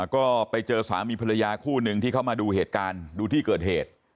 ก็ไปเจอสามีภรรยาคู่หนึ่งที่เข้ามาดูเหตุการณ์ดูที่เกิดเหตุ